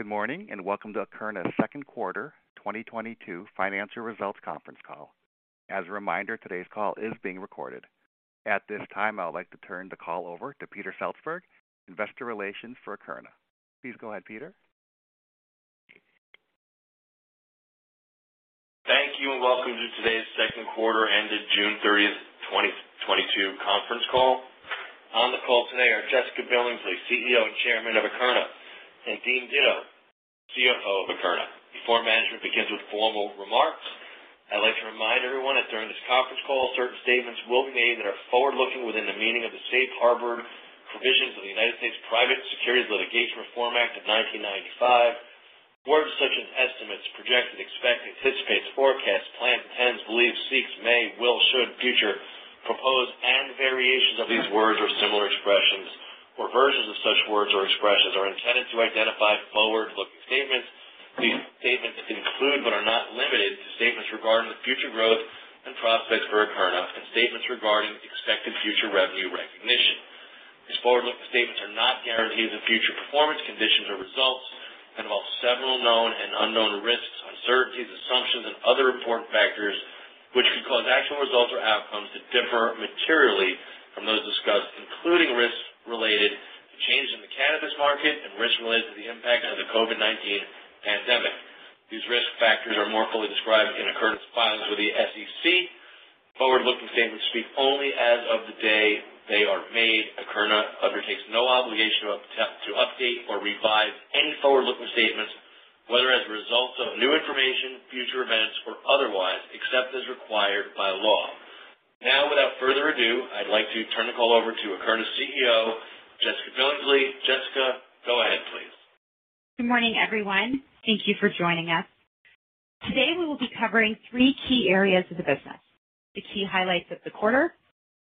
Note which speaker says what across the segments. Speaker 1: Good morning, and welcome to Akerna's second quarter 2022 financial results conference call. As a reminder, today's call is being recorded. At this time, I would like to turn the call over to Peter Seltzberg, Investor Relations for Akerna. Please go ahead, Peter.
Speaker 2: Thank you, and welcome to today's second quarter ended June 30, 2022 conference call. On the call today are Jessica Billingsley, CEO and Chairman of Akerna, and Dean Ditto, CFO of Akerna. Before management begins with formal remarks, I'd like to remind everyone that during this conference call, certain statements will be made that are forward-looking within the meaning of the Safe Harbor Provisions of the United States Private Securities Litigation Reform Act of 1995. Words such as estimates, projected, expected, anticipate, forecast, plan, intends, believes, seeks, may, will, should, future, proposed, and variations of these words or similar expressions or versions of such words or expressions are intended to identify forward-looking statements. These statements include, but are not limited to, statements regarding the future growth and prospects for Akerna and statements regarding expected future revenue recognition. These forward-looking statements are not guarantees of future performance, conditions, or results and involve several known and unknown risks, uncertainties, assumptions, and other important factors which could cause actual results or outcomes to differ materially from those discussed, including risks related to changes in the cannabis market and risks related to the impact of the COVID-19 pandemic. These risk factors are more fully described in Akerna's filings with the SEC. Forward-looking statements speak only as of the day they are made. Akerna undertakes no obligation to update or revise any forward-looking statements, whether as a result of new information, future events, or otherwise, except as required by law. Now, without further ado, I'd like to turn the call over to Akerna's CEO, Jessica Billingsley. Jessica, go ahead, please.
Speaker 3: Good morning, everyone. Thank you for joining us. Today, we will be covering three key areas of the business, the key highlights of the quarter,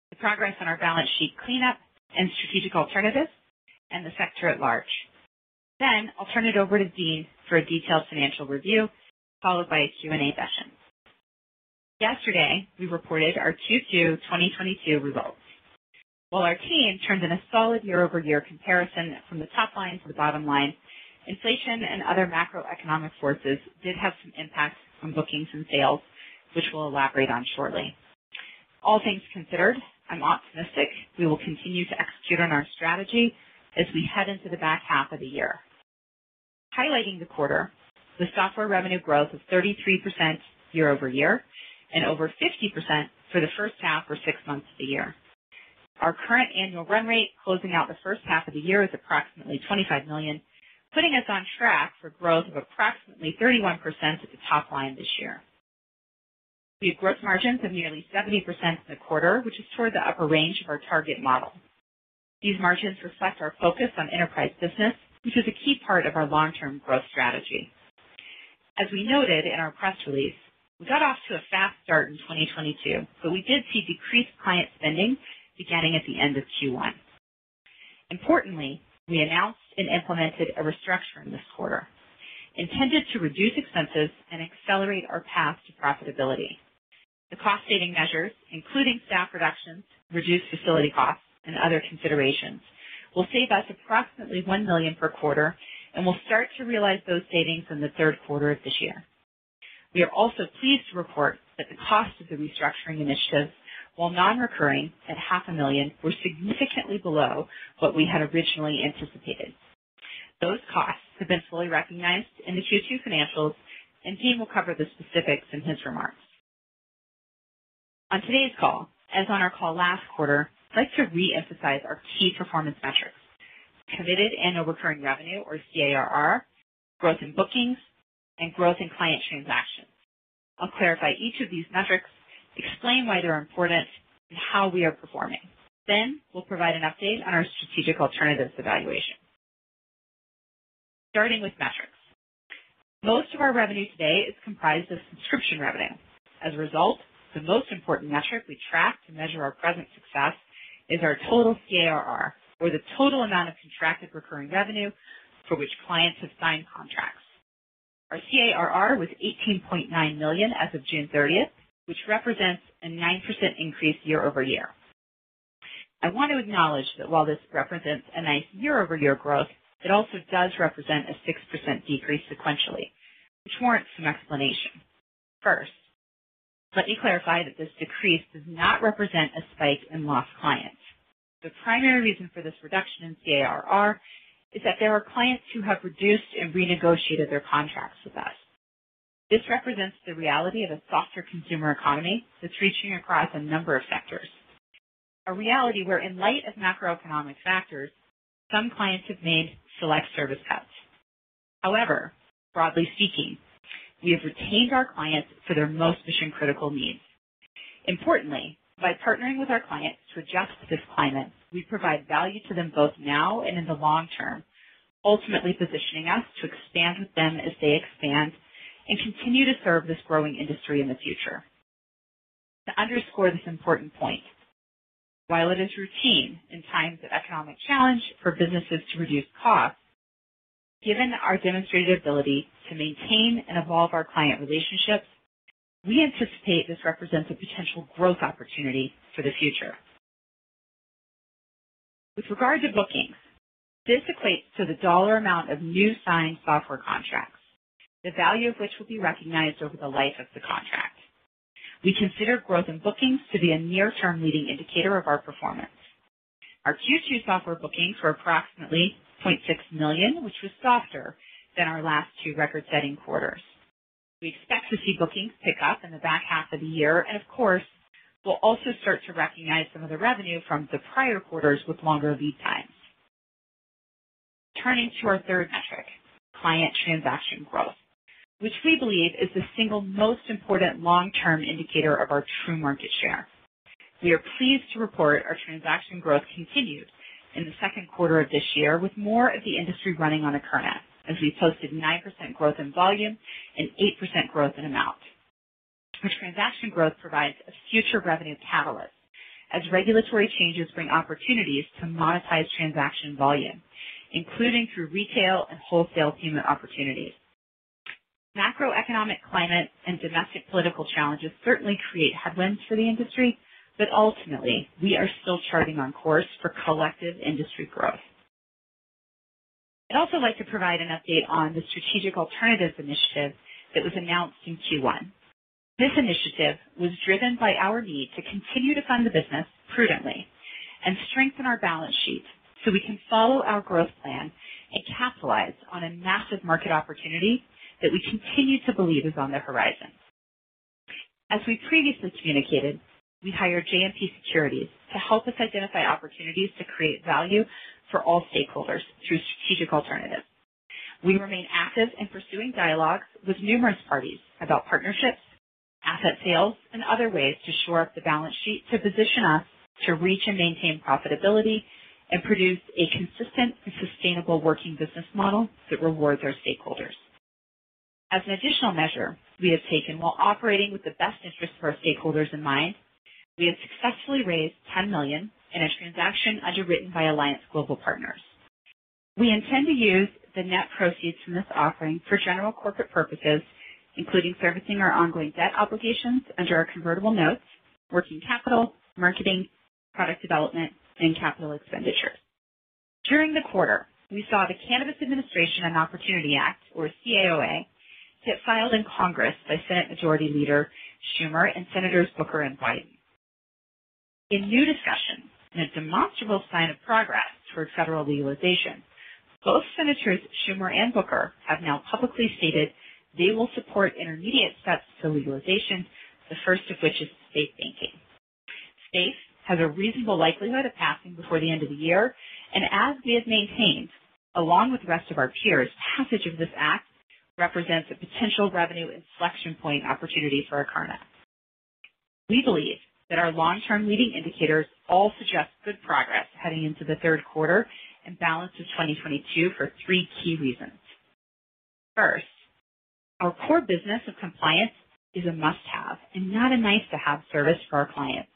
Speaker 3: the progress on our balance sheet cleanup and strategic alternatives, and the sector at large. Then I'll turn it over to Dean for a detailed financial review, followed by a Q&A session. Yesterday, we reported our Q2 2022 results. While our team turned in a solid year-over-year comparison from the top line to the bottom line, inflation and other macroeconomic forces did have some impact on bookings and sales, which we'll elaborate on shortly. All things considered, I'm optimistic we will continue to execute on our strategy as we head into the back half of the year. Highlighting the quarter, the software revenue growth of 33% year-over-year and over 50% for the first half or six months of the year. Our current annual run rate closing out the first half of the year is approximately $25 million, putting us on track for growth of approximately 31% at the top line this year. We have gross margins of nearly 70% in the quarter, which is toward the upper range of our target model. These margins reflect our focus on enterprise business, which is a key part of our long-term growth strategy. As we noted in our press release, we got off to a fast start in 2022, but we did see decreased client spending beginning at the end of Q1. Importantly, we announced and implemented a restructuring this quarter intended to reduce expenses and accelerate our path to profitability. The cost-saving measures, including staff reductions, reduced facility costs, and other considerations, will save us approximately $1 million per quarter, and we'll start to realize those savings in the third quarter of this year. We are also pleased to report that the cost of the restructuring initiatives, while non-recurring at half a million, were significantly below what we had originally anticipated. Those costs have been fully recognized in the Q2 financials, and Dean will cover the specifics in his remarks. On today's call, as on our call last quarter, I'd like to reemphasize our key performance metrics, committed annual recurring revenue or CARR, growth in bookings, and growth in client transactions. I'll clarify each of these metrics, explain why they're important, and how we are performing. Then we'll provide an update on our strategic alternatives evaluation. Starting with metrics. Most of our revenue today is comprised of subscription revenue. As a result, the most important metric we track to measure our present success is our total CARR or the total amount of contracted recurring revenue for which clients have signed contracts. Our CARR was $18.9 million as of June 30th, which represents a 9% increase year-over-year. I want to acknowledge that while this represents a nice year-over-year growth, it also does represent a 6% decrease sequentially, which warrants some explanation. First, let me clarify that this decrease does not represent a spike in lost clients. The primary reason for this reduction in CARR is that there are clients who have reduced and renegotiated their contracts with us. This represents the reality of a softer consumer economy that's reaching across a number of sectors. A reality where, in light of macroeconomic factors, some clients have made select service cuts. However, broadly speaking, we have retained our clients for their most mission-critical needs. Importantly, by partnering with our clients to adjust to this climate, we provide value to them both now and in the long term, ultimately positioning us to expand with them as they expand and continue to serve this growing industry in the future. To underscore this important point, while it is routine in times of economic challenge for businesses to reduce costs, given our demonstrated ability to maintain and evolve our client relationships, we anticipate this represents a potential growth opportunity for the future. With regard to bookings, this equates to the dollar amount of new signed software contracts, the value of which will be recognized over the life of the contract. We consider growth in bookings to be a near-term leading indicator of our performance. Our Q2 software bookings were approximately $0.6 million, which was softer than our last two record-setting quarters. We expect to see bookings pick up in the back half of the year, and of course, we'll also start to recognize some of the revenue from the prior quarters with longer lead times. Turning to our third metric, client transaction growth, which we believe is the single most important long-term indicator of our true market share. We are pleased to report our transaction growth continued in the second quarter of this year, with more of the industry running on Akerna, as we posted 9% growth in volume and 8% growth in amount. Our transaction growth provides a future revenue catalyst as regulatory changes bring opportunities to monetize transaction volume, including through retail and wholesale payment opportunities. Macroeconomic climate and domestic political challenges certainly create headwinds for the industry, but ultimately, we are still charting our course for collective industry growth. I'd also like to provide an update on the strategic alternatives initiative that was announced in Q1. This initiative was driven by our need to continue to fund the business prudently and strengthen our balance sheet so we can follow our growth plan and capitalize on a massive market opportunity that we continue to believe is on the horizon. As we previously communicated, we hired JMP Securities to help us identify opportunities to create value for all stakeholders through strategic alternatives. We remain active in pursuing dialogues with numerous parties about partnerships, asset sales, and other ways to shore up the balance sheet to position us to reach and maintain profitability and produce a consistent and sustainable working business model that rewards our stakeholders. As an additional measure we have taken while operating with the best interest of our stakeholders in mind, we have successfully raised $10 million in a transaction underwritten by Alliance Global Partners. We intend to use the net proceeds from this offering for general corporate purposes, including servicing our ongoing debt obligations under our convertible notes, working capital, marketing, product development, and capital expenditures. During the quarter, we saw the Cannabis Administration and Opportunity Act, or CAOA, get filed in Congress by Senate Majority Leader Schumer and Senators Booker and Wyden. In new discussions and a demonstrable sign of progress towards federal legalization, both Senators Schumer and Booker have now publicly stated they will support intermediate steps to legalization, the first of which is SAFE banking. SAFE has a reasonable likelihood of passing before the end of the year. As we have maintained, along with the rest of our peers, passage of this act represents a potential revenue inflection point opportunity for Akerna. We believe that our long-term leading indicators all suggest good progress heading into the third quarter and balance of 2022 for three key reasons. First, our core business of compliance is a must-have and not a nice-to-have service for our clients.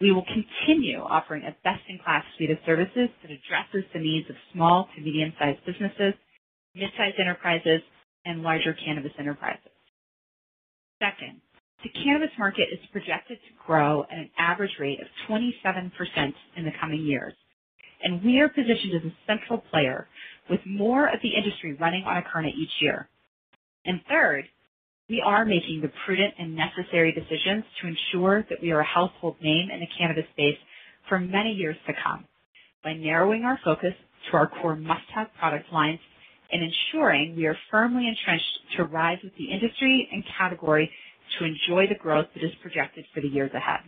Speaker 3: We will continue offering a best-in-class suite of services that addresses the needs of small to medium-sized businesses, mid-sized enterprises, and larger cannabis enterprises. Second, the cannabis market is projected to grow at an average rate of 27% in the coming years, and we are positioned as a central player with more of the industry running on Akerna each year. Third, we are making the prudent and necessary decisions to ensure that we are a household name in the cannabis space for many years to come by narrowing our focus to our core must-have product lines and ensuring we are firmly entrenched to rise with the industry and category to enjoy the growth that is projected for the years ahead.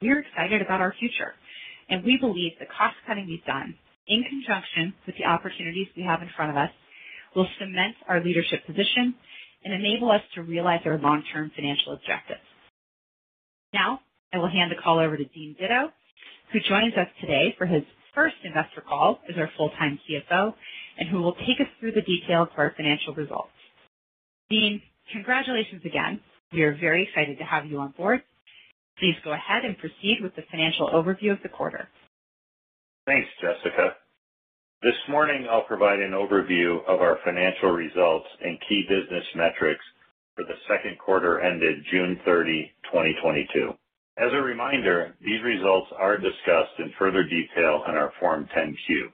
Speaker 3: We are excited about our future, and we believe the cost-cutting we've done in conjunction with the opportunities we have in front of us will cement our leadership position and enable us to realize our long-term financial objectives. Now I will hand the call over to Dean Ditto, who joins us today for his first investor call as our full-time CFO and who will take us through the details of our financial results. Dean, congratulations again. We are very excited to have you on board. Please go ahead and proceed with the financial overview of the quarter.
Speaker 4: Thanks, Jessica. This morning, I'll provide an overview of our financial results and key business metrics for the second quarter ended June 30, 2022. As a reminder, these results are discussed in further detail in our Form 10-Q.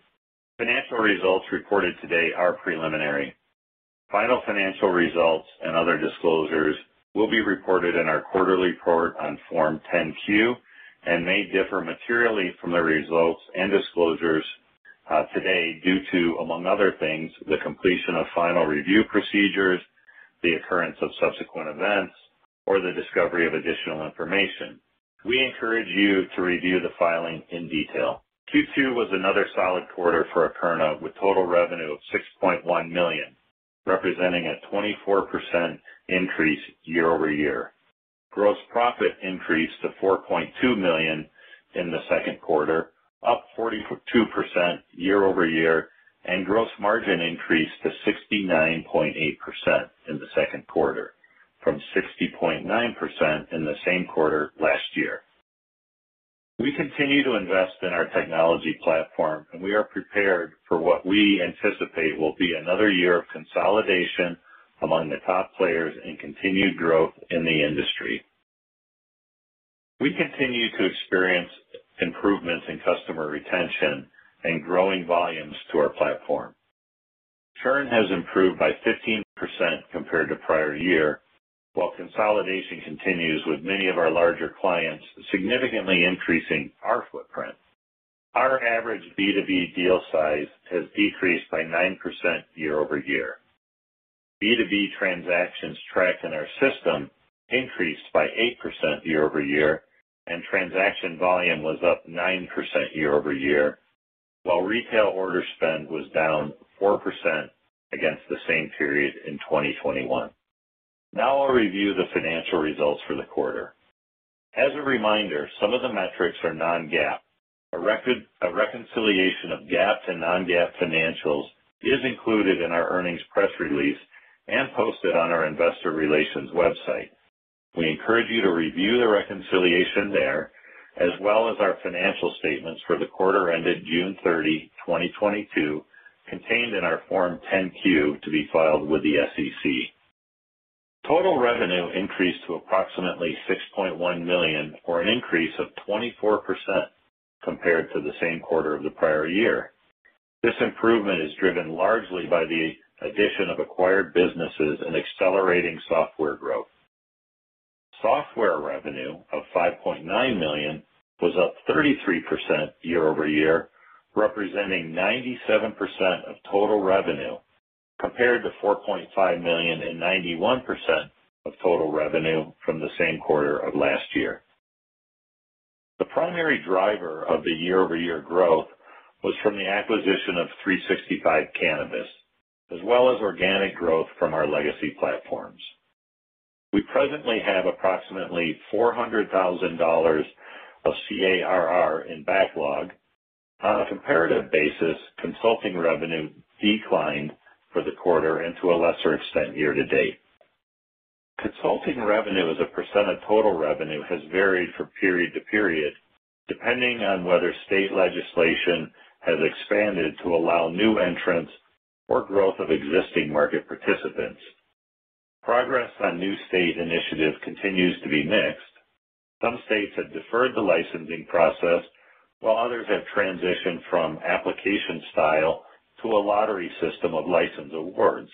Speaker 4: Financial results reported today are preliminary. Final financial results and other disclosures will be reported in our quarterly report on Form 10-Q and may differ materially from the results and disclosures today due to, among other things, the completion of final review procedures, the occurrence of subsequent events, or the discovery of additional information. We encourage you to review the filing in detail. Q2 was another solid quarter for Akerna, with total revenue of $6.1 million, representing a 24% increase year-over-year. Gross profit increased to $4.2 million in the second quarter, up 42% year-over-year, and gross margin increased to 69.8% in the second quarter from 60.9% in the same quarter last year. We continue to invest in our technology platform, and we are prepared for what we anticipate will be another year of consolidation among the top players and continued growth in the industry. We continue to experience improvements in customer retention and growing volumes to our platform. Churn has improved by 15% compared to prior year, while consolidation continues, with many of our larger clients significantly increasing our footprint. Our average B2B deal size has decreased by 9% year-over-year. B2B transactions tracked in our system increased by 8% year-over-year, and transaction volume was up 9% year-over-year, while retail order spend was down 4% against the same period in 2021. Now I'll review the financial results for the quarter. As a reminder, some of the metrics are non-GAAP. A reconciliation of GAAP to non-GAAP financials is included in our earnings press release and posted on our investor relations website. We encourage you to review the reconciliation there, as well as our financial statements for the quarter ended June 30, 2022, contained in our Form 10-Q to be filed with the SEC. Total revenue increased to approximately $6.1 million, or an increase of 24% compared to the same quarter of the prior year. This improvement is driven largely by the addition of acquired businesses and accelerating software growth. Software revenue of $5.9 million was up 33% year-over-year, representing 97% of total revenue, compared to $4.5 million and 91% of total revenue from the same quarter of last year. The primary driver of the year-over-year growth was from the acquisition of 365 Cannabis, as well as organic growth from our legacy platforms. We presently have approximately $400,000 of CARR in backlog. On a comparative basis, consulting revenue declined for the quarter and to a lesser extent year-to-date. Consulting revenue as a percent of total revenue has varied from period to period, depending on whether state legislation has expanded to allow new entrants or growth of existing market participants. Progress on new state initiatives continues to be mixed. Some states have deferred the licensing process, while others have transitioned from application style to a lottery system of license awards.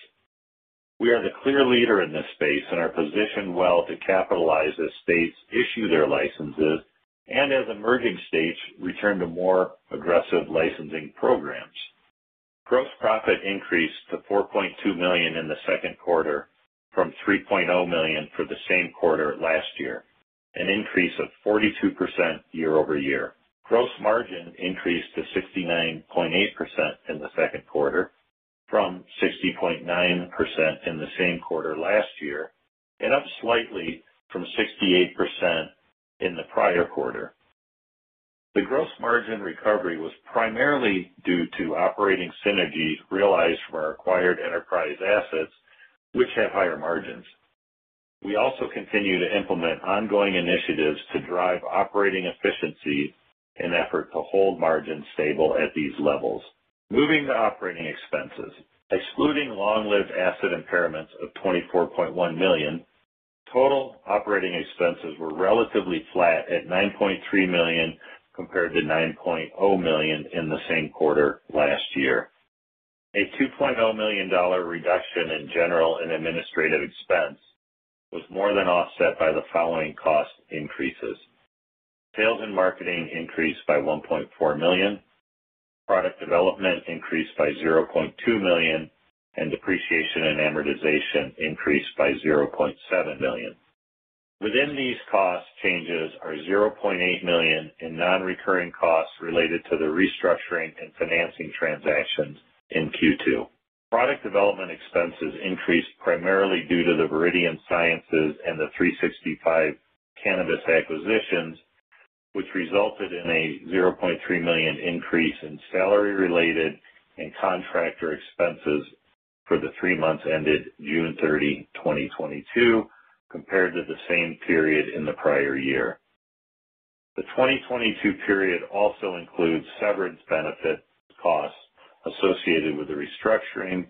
Speaker 4: We are the clear leader in this space and are positioned well to capitalize as states issue their licenses and as emerging states return to more aggressive licensing programs. Gross profit increased to $4.2 million in the second quarter from $3.0 million for the same quarter last year, an increase of 42% year-over-year. Gross margin increased to 69.8% in the second quarter from 60.9% in the same quarter last year, and up slightly from 68% in the prior quarter. The gross margin recovery was primarily due to operating synergies realized from our acquired enterprise assets, which have higher margins. We also continue to implement ongoing initiatives to drive operating efficiencies in an effort to hold margins stable at these levels. Moving to operating expenses. Excluding long-lived asset impairments of $24.1 million, total operating expenses were relatively flat at $9.3 million compared to $9.0 million in the same quarter last year. A $2.0 million reduction in general and administrative expense was more than offset by the following cost increases. Sales and marketing increased by $1.4 million, product development increased by $0.2 million, and depreciation and amortization increased by $0.7 million. Within these cost changes are $0.8 million in non-recurring costs related to the restructuring and financing transactions in Q2. Product development expenses increased primarily due to the Viridian Sciences and the 365 Cannabis acquisitions, which resulted in a $0.3 million increase in salary-related and contractor expenses for the three months ended June 30, 2022, compared to the same period in the prior year. The 2022 period also includes severance benefit costs associated with the restructuring,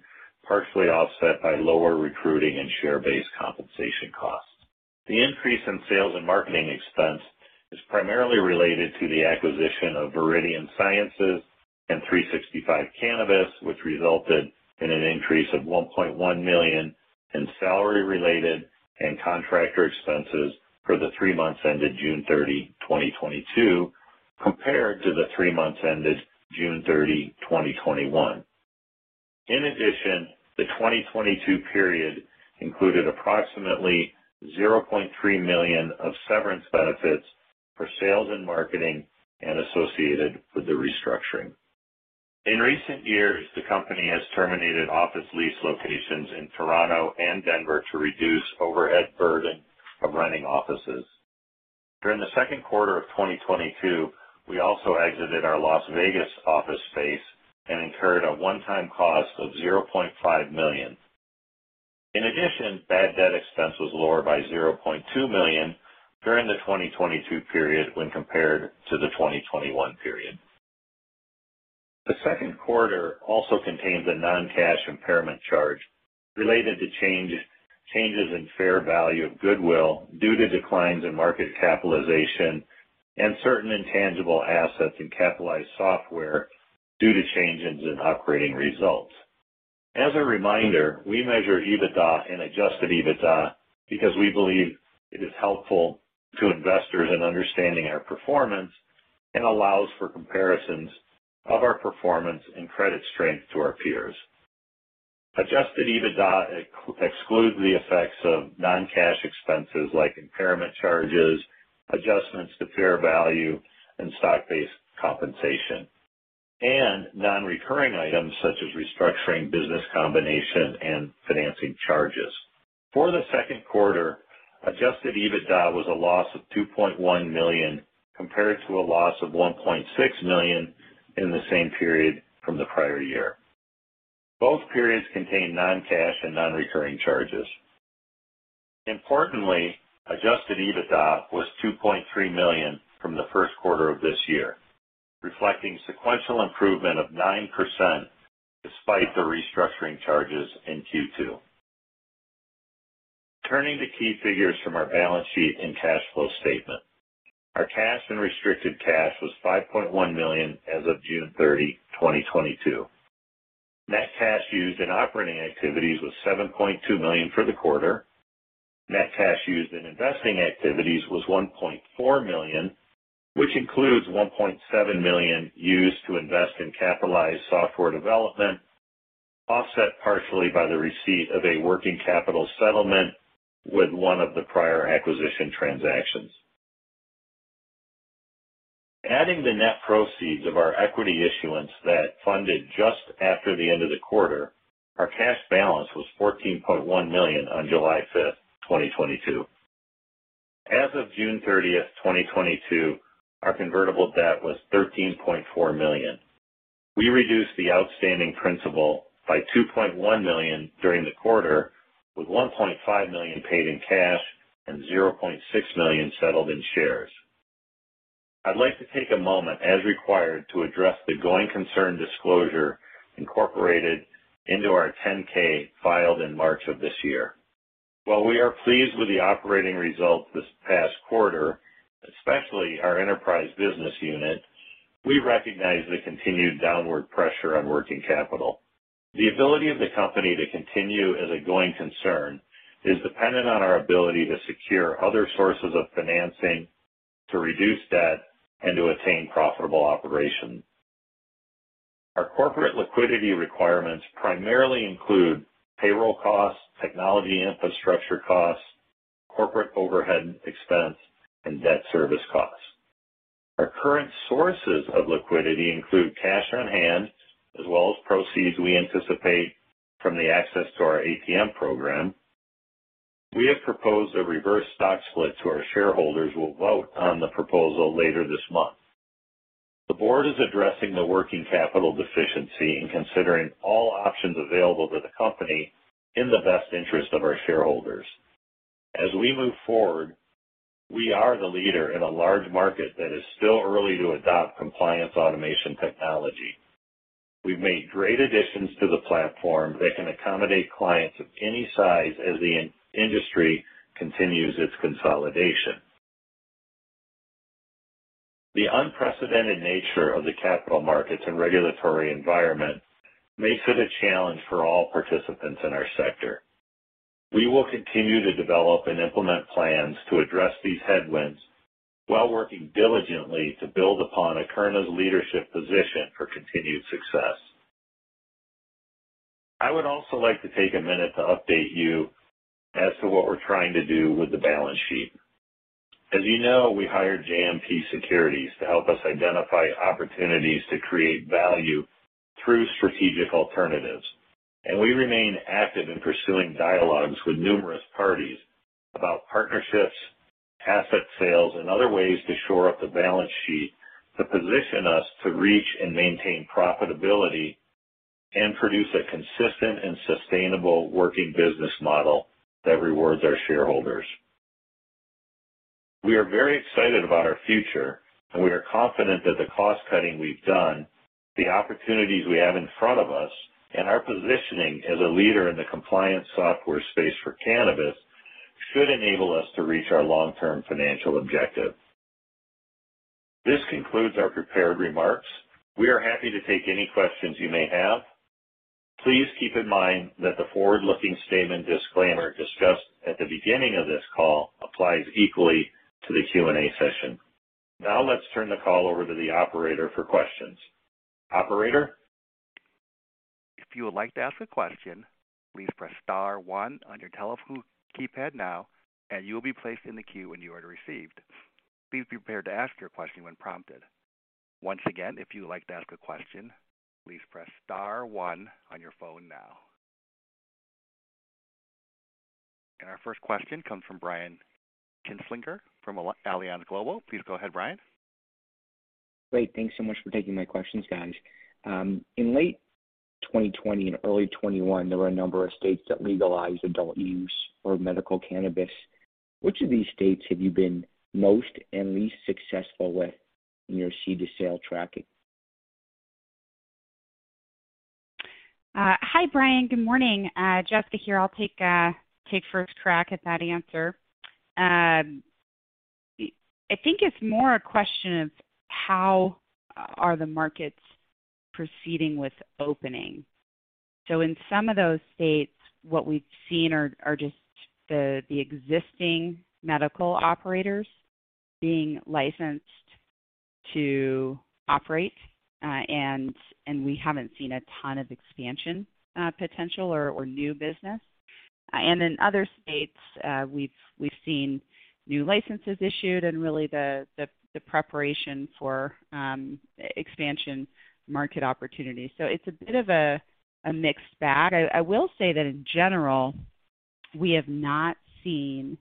Speaker 4: partially offset by lower recruiting and share-based compensation costs. The increase in sales and marketing expense is primarily related to the acquisition of Viridian Sciences and 365 Cannabis, which resulted in an increase of $1.1 million in salary-related and contractor expenses for the three months ended June 30, 2022, compared to the three months ended June 30, 2021. In addition, the 2022 period included approximately $0.3 million of severance benefits for sales and marketing and associated with the restructuring. In recent years, the company has terminated office lease locations in Toronto and Denver to reduce overhead burden of running offices. During the second quarter of 2022, we also exited our Las Vegas office space and incurred a one-time cost of $0.5 million. In addition, bad debt expense was lower by $0.2 million during the 2022 period when compared to the 2021 period. The second quarter also contains a non-cash impairment charge related to changes in fair value of goodwill due to declines in market capitalization and certain intangible assets in capitalized software due to changes in operating results. As a reminder, we measure EBITDA and adjusted EBITDA because we believe it is helpful to investors in understanding our performance and allows for comparisons of our performance and credit strength to our peers. Adjusted EBITDA excludes the effects of non-cash expenses like impairment charges, adjustments to fair value, and stock-based compensation, and non-recurring items such as restructuring, business combination, and financing charges. For the second quarter, adjusted EBITDA was a loss of $2.1 million, compared to a loss of $1.6 million in the same period from the prior year. Both periods contain non-cash and non-recurring charges. Importantly, adjusted EBITDA was $2.3 million from the first quarter of this year, reflecting sequential improvement of 9% despite the restructuring charges in Q2. Turning to key figures from our balance sheet and cash flow statement. Our cash and restricted cash was $5.1 million as of June 30, 2022. Net cash used in operating activities was $7.2 million for the quarter. Net cash used in investing activities was $1.4 million, which includes $1.7 million used to invest in capitalized software development, offset partially by the receipt of a working capital settlement with one of the prior acquisition transactions. Adding the net proceeds of our equity issuance that funded just after the end of the quarter, our cash balance was $14.1 million on July 5, 2022. As of June 30, 2022, our convertible debt was $13.4 million. We reduced the outstanding principal by $2.1 million during the quarter, with $1.5 million paid in cash and $0.6 million settled in shares. I'd like to take a moment, as required, to address the going concern disclosure incorporated into our 10-K filed in March of this year. While we are pleased with the operating results this past quarter, especially our enterprise business unit, we recognize the continued downward pressure on working capital. The ability of the company to continue as a going concern is dependent on our ability to secure other sources of financing, to reduce debt, and to attain profitable operations. Our corporate liquidity requirements primarily include payroll costs, technology infrastructure costs, corporate overhead expense, and debt service costs. Our current sources of liquidity include cash on hand as well as proceeds we anticipate from the access to our ATM program. We have proposed a reverse stock split to our shareholders, who will vote on the proposal later this month. The board is addressing the working capital deficiency and considering all options available to the company in the best interest of our shareholders. As we move forward, we are the leader in a large market that is still early to adopt compliance automation technology. We've made great additions to the platform that can accommodate clients of any size as the industry continues its consolidation. The unprecedented nature of the capital markets and regulatory environment makes it a challenge for all participants in our sector. We will continue to develop and implement plans to address these headwinds while working diligently to build upon Akerna's leadership position for continued success. I would also like to take a minute to update you as to what we're trying to do with the balance sheet. As you know, we hired JMP Securities to help us identify opportunities to create value through strategic alternatives, and we remain active in pursuing dialogues with numerous parties about partnerships, asset sales, and other ways to shore up the balance sheet to position us to reach and maintain profitability and produce a consistent and sustainable working business model that rewards our shareholders. We are very excited about our future, and we are confident that the cost cutting we've done, the opportunities we have in front of us, and our positioning as a leader in the compliance software space for cannabis should enable us to reach our long-term financial objective. This concludes our prepared remarks. We are happy to take any questions you may have. Please keep in mind that the forward-looking statement disclaimer discussed at the beginning of this call applies equally to the Q&A session. Now let's turn the call over to the operator for questions. Operator?
Speaker 1: If you would like to ask a question, please press star one on your telephone keypad now, and you will be placed in the queue when you are received. Please be prepared to ask your question when prompted. Once again, if you would like to ask a question, please press star one on your phone now. Our first question comes from Brian Kinstlinger from Alliance Global Partners. Please go ahead, Brian.
Speaker 5: Great. Thanks so much for taking my questions, guys. In late 2020 and early 2021, there were a number of states that legalized adult use for medical cannabis. Which of these states have you been most and least successful with in your seed-to-sale tracking?
Speaker 3: Hi, Brian. Good morning. Jessica here. I'll take first crack at that answer. I think it's more a question of how are the markets proceeding with opening. In some of those states, what we've seen are just the existing medical operators being licensed to operate, and we haven't seen a ton of expansion potential or new business. In other states, we've seen new licenses issued and really the preparation for expansion market opportunities. It's a bit of a mixed bag. I will say that in general, we have not seen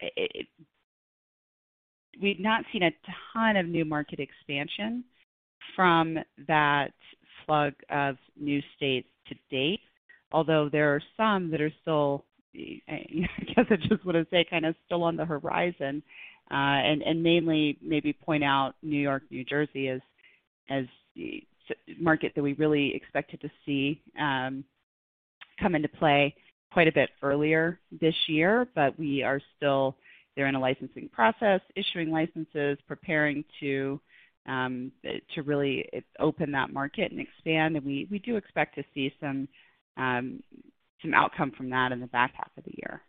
Speaker 3: it. We've not seen a ton of new market expansion from that slug of new states to date, although there are some that are still, I guess I just wanna say kind of still on the horizon. Mainly maybe point out New York, New Jersey as a market that we really expected to see come into play quite a bit earlier this year. We are still. They're in a licensing process, issuing licenses, preparing to really open that market and expand, and we do expect to see some outcome from that in the back half of the year.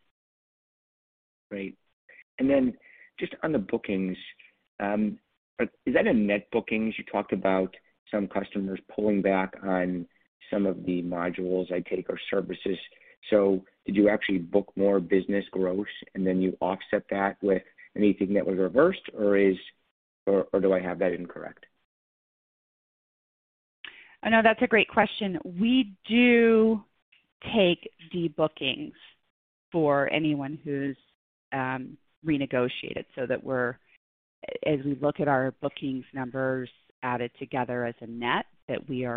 Speaker 5: Great. Just on the bookings, is that net bookings? You talked about some customers pulling back on some of the modules, I take, or services. Did you actually book more business gross, and then you offset that with anything that was reversed, or is, or do I have that incorrect?
Speaker 3: I know that's a great question. We do take debookings for anyone who's renegotiated so that, as we look at our bookings numbers added together as a net, we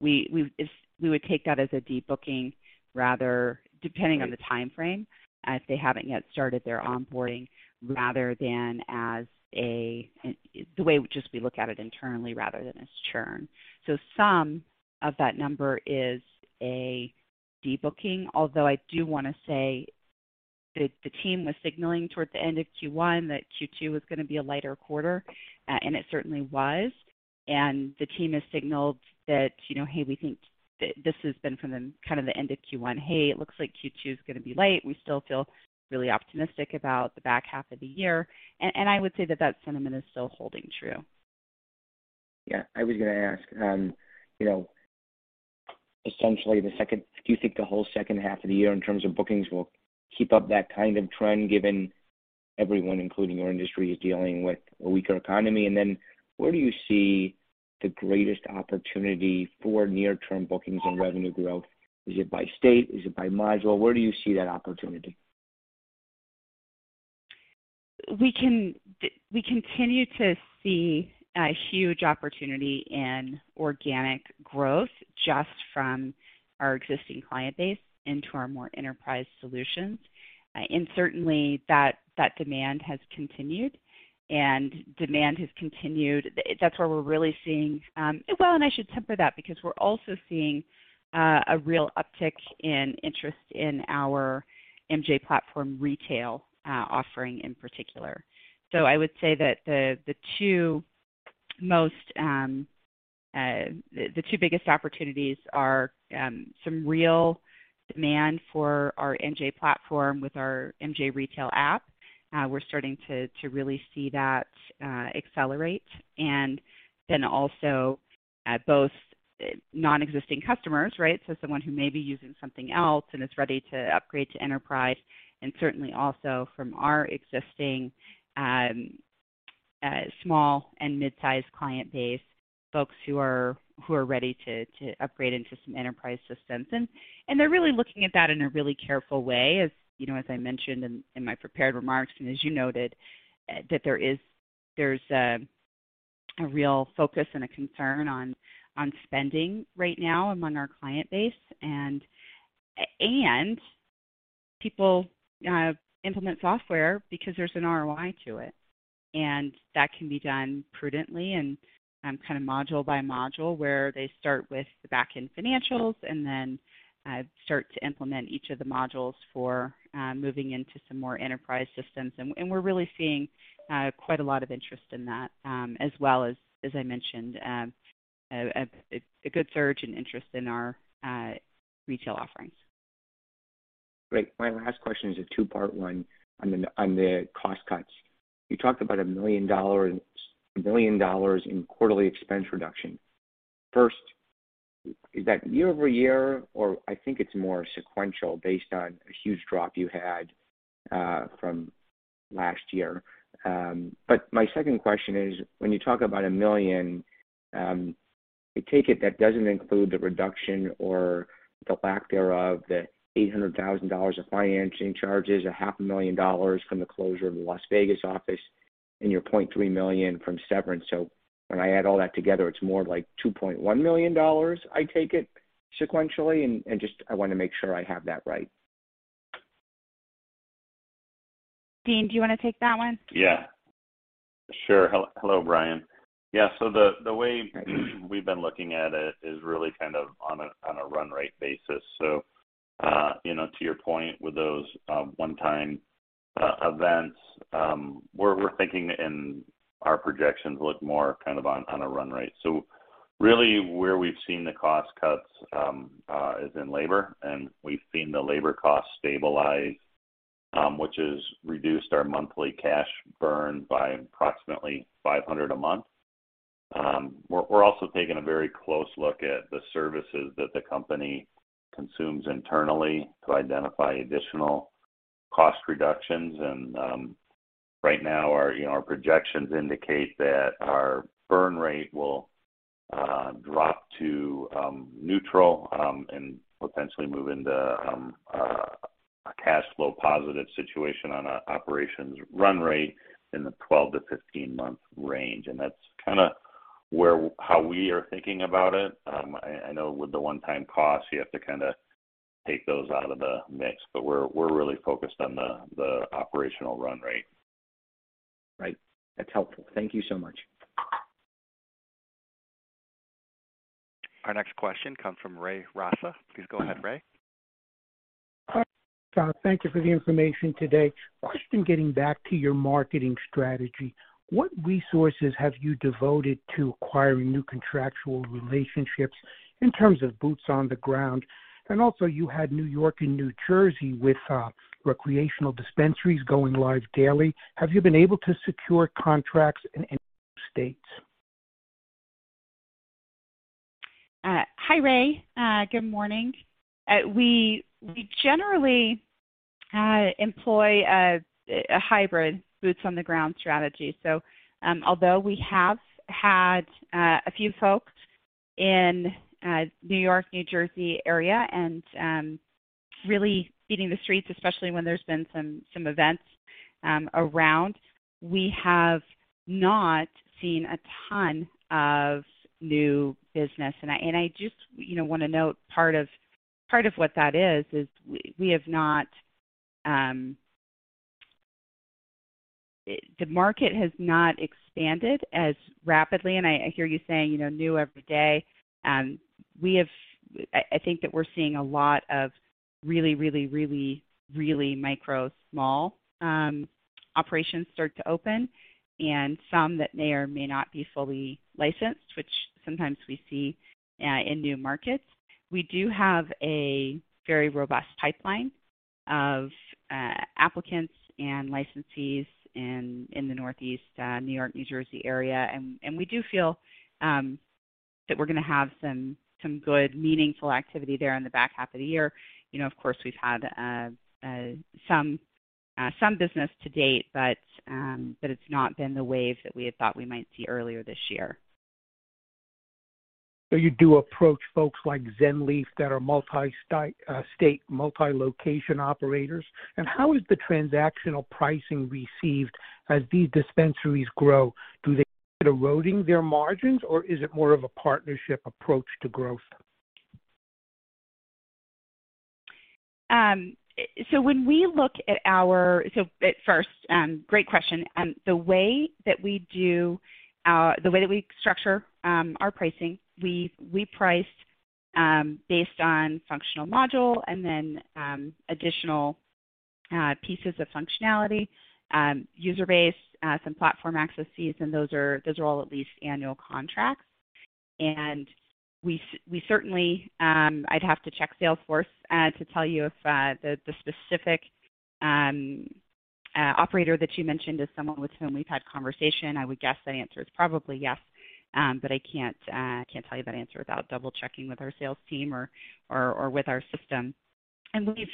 Speaker 3: would take that as a debooking rather, depending.
Speaker 5: Right.
Speaker 3: On the timeframe, if they haven't yet started their onboarding, rather than the way we look at it internally, rather than as churn. Some of that number is a debooking, although I do wanna say the team was signaling towards the end of Q1 that Q2 was gonna be a lighter quarter, and it certainly was. The team has signaled that, you know, "Hey, we think." This has been from the, kind of the end of Q1. "Hey, it looks like Q2 is gonna be light. We still feel really optimistic about the back half of the year." I would say that sentiment is still holding true.
Speaker 5: I was gonna ask, you know, do you think the whole second half of the year in terms of bookings will keep up that kind of trend, given everyone, including your industry, is dealing with a weaker economy? Where do you see the greatest opportunity for near-term bookings and revenue growth? Is it by state? Is it by module? Where do you see that opportunity?
Speaker 3: We continue to see a huge opportunity in organic growth just from our existing client base into our more enterprise solutions. Certainly that demand has continued. That's where we're really seeing. Well, I should temper that, because we're also seeing a real uptick in interest in our MJ Platform Retail offering in particular. I would say that the two biggest opportunities are some real demand for our MJ Platform with our MJ Retail app. We're starting to really see that accelerate. Also both non-existing customers, right? Someone who may be using something else and is ready to upgrade to enterprise, and certainly also from our existing small and mid-sized client base, folks who are ready to upgrade into some enterprise systems. They're really looking at that in a really careful way, as you know, as I mentioned in my prepared remarks and as you noted, that there is a real focus and a concern on spending right now among our client base. People implement software because there's an ROI to it, and that can be done prudently and kind of module by module, where they start with the backend financials and then start to implement each of the modules for moving into some more enterprise systems. We're really seeing quite a lot of interest in that, as well as I mentioned, a good surge in interest in our retail offerings.
Speaker 5: Great. My last question is a two-part one on the cost cuts. You talked about $1 million in quarterly expense reduction. First, is that year-over-year, or I think it's more sequential based on a huge drop you had from last year. But my second question is, when you talk about a million, I take it that doesn't include the reduction or the lack thereof, the $800,000 of financing charges, half a million dollars from the closure of the Las Vegas office. Your $0.3 million from severance. When I add all that together, it's more like $2.1 million I take it sequentially and just I want to make sure I have that right.
Speaker 3: Dean, do you want to take that one?
Speaker 4: Yeah. Sure. Hello, Brian. Yeah. The way we've been looking at it is really kind of on a run rate basis. You know, to your point with those one-time events, we're thinking and our projections look more kind of on a run rate. Really where we've seen the cost cuts is in labor, and we've seen the labor costs stabilize, which has reduced our monthly cash burn by approximately $500 a month. We're also taking a very close look at the services that the company consumes internally to identify additional cost reductions and right now, you know, our projections indicate that our burn rate will drop to neutral and potentially move into a cash flow positive situation on a operations run rate in the 12-15-month range. That's kinda where how we are thinking about it. I know with the one-time costs, you have to kinda take those out of the mix, but we're really focused on the operational run rate.
Speaker 5: Right. That's helpful. Thank you so much.
Speaker 1: Our next question comes from Owen Rask. Please go ahead, Rask.
Speaker 6: Hi. Thank you for the information today. Question, getting back to your marketing strategy, what resources have you devoted to acquiring new contractual relationships in terms of boots on the ground? You had New York and New Jersey with, recreational dispensaries going live daily. Have you been able to secure contracts in any of those states?
Speaker 3: Hi, Rask. Good morning. We generally employ a hybrid boots on the ground strategy. Although we have had a few folks in New York, New Jersey area and really beating the streets, especially when there's been some events around, we have not seen a ton of new business. I just, you know, wanna note part of what that is we have not. The market has not expanded as rapidly, and I hear you saying, you know, new every day. I think that we're seeing a lot of really micro small operations start to open and some that may or may not be fully licensed, which sometimes we see in new markets. We do have a very robust pipeline of applicants and licensees in the Northeast, New York, New Jersey area. We do feel that we're gonna have some good meaningful activity there in the back half of the year. You know, of course, we've had some business to date, but it's not been the wave that we had thought we might see earlier this year.
Speaker 6: You do approach folks like Zen Leaf that are multi-state, multi-location operators. How is the transactional pricing received as these dispensaries grow? Do they see it eroding their margins, or is it more of a partnership approach to growth?
Speaker 3: At first, great question, the way that we structure our pricing, we price based on functional module and then additional pieces of functionality, user base, some platform access fees, and those are all at least annual contracts. We certainly, I'd have to check Salesforce to tell you if the specific operator that you mentioned is someone with whom we've had conversation. I would guess that answer is probably yes, but I can't tell you that answer without double-checking with our sales team or with our system. I believe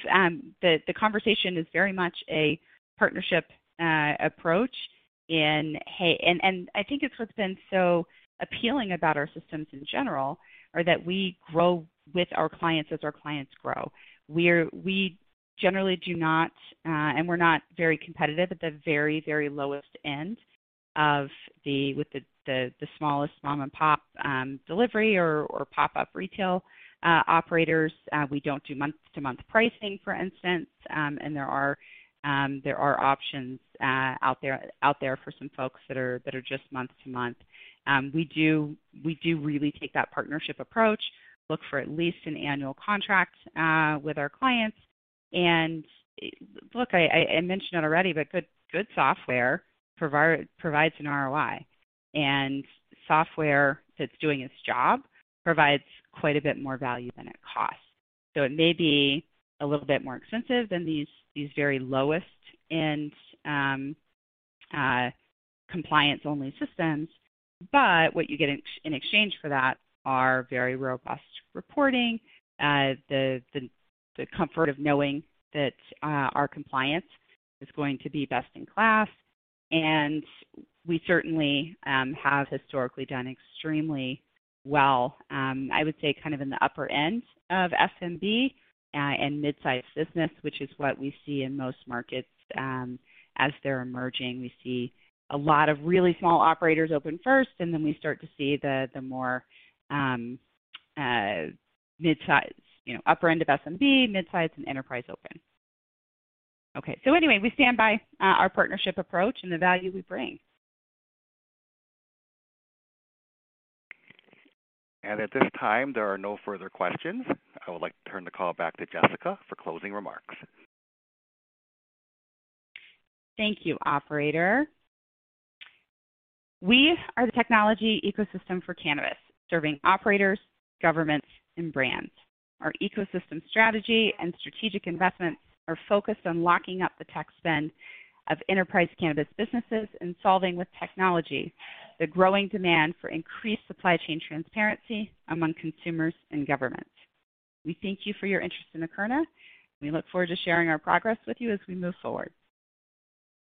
Speaker 3: the conversation is very much a partnership approach, and I think it's what's been so appealing about our systems in general are that we grow with our clients as our clients grow. We generally do not, and we're not very competitive at the very lowest end with the smallest mom and pop delivery or pop-up retail operators. We don't do month-to-month pricing, for instance, and there are options out there for some folks that are just month to month. We do really take that partnership approach, look for at least an annual contract with our clients. Look, I mentioned it already, but good software provides an ROI. Software that's doing its job provides quite a bit more value than it costs. It may be a little bit more expensive than these very lowest end compliance-only systems. What you get in exchange for that are very robust reporting, the comfort of knowing that our compliance is going to be best in class, and we certainly have historically done extremely well. I would say kind of in the upper end of SMB and mid-sized business, which is what we see in most markets as they're emerging. We see a lot of really small operators open first, and then we start to see the more mid-size, you know, upper end of SMB, mid-size and enterprise open. Okay. Anyway, we stand by our partnership approach and the value we bring.
Speaker 1: At this time, there are no further questions. I would like to turn the call back to Jessica for closing remarks.
Speaker 3: Thank you, operator. We are the technology ecosystem for cannabis, serving operators, governments, and brands. Our ecosystem strategy and strategic investments are focused on locking up the tech spend of enterprise cannabis businesses and solving with technology the growing demand for increased supply chain transparency among consumers and government. We thank you for your interest in Akerna. We look forward to sharing our progress with you as we move forward.